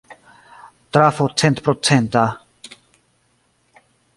Trafo centprocenta.